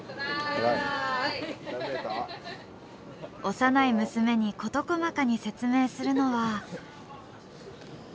幼い娘に事細かに説明するのは。